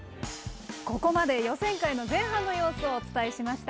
ここまで予選会の前半の様子をお伝えしました。